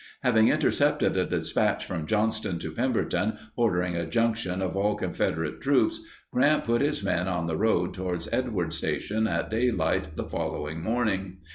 Having intercepted a dispatch from Johnston to Pemberton ordering a junction of all Confederate troops, Grant put his men on the road toward Edwards Station at daylight the following morning.